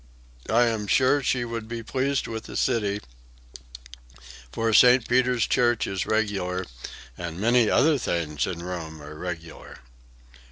I am sure she would be pleased with the city, for St. Peter's church is regular, and many other things in Rome are regular."